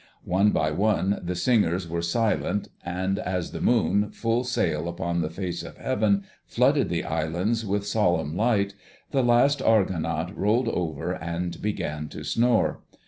One by one the singers were silent, and as the moon, full sail upon the face of heaven, flooded the islands with solemn light, the last Argonaut rolled over and began to snore.